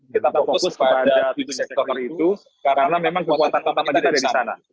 kita fokus kepada tujuh sektor itu karena memang kekuatan utama kita ada di sana